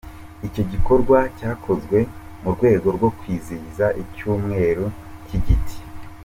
Icyo gikorwa cyakozwe mu rwego rwo kwizihiza Icyumweru cyIgiti.